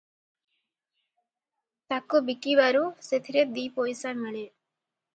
ତାକୁ ବିକିବାରୁ ସେଥିରେ ଦିପଇସା ମିଳେ ।